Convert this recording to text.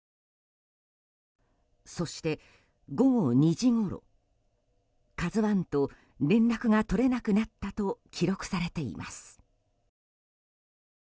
そして、午後２時ごろ「ＫＡＺＵ１」と連絡が取れなくなったと記録されています。